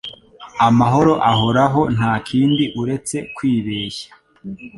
Amahoro ahoraho ntakindi uretse kwibeshya.